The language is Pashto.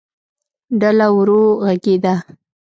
ډله ورو غږېده.